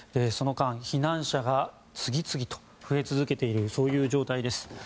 その間、避難者が次々と増え続けているという状態です。